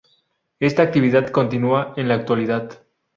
Esta actividad continua en la actualidad.